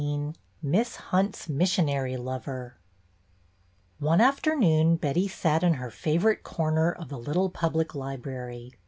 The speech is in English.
XVI MISS hunt's missionary lover O NE afternoon Betty sat in her favorite corner of the little public library.